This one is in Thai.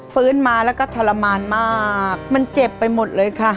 ฟื้นมาแล้วก็ทรมานมากมันเจ็บไปหมดเลยค่ะ